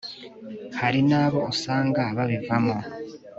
hari nabo usanga babivamo